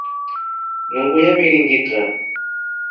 Nungu yabiringitra.